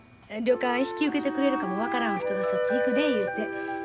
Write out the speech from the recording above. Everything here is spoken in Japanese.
旅館引き受けてくれるかも分からんお人がそっち行くで言うて。